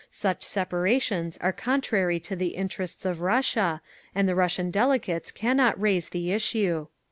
Such separations are contrary to the interests of Russia, and the Russian delegates cannot raise the issue…."